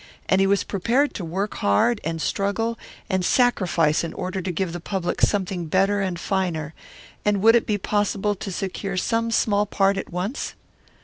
And he was prepared to work hard and struggle and sacrifice in order to give the public something better and finer, and would it be possible to secure some small part at once?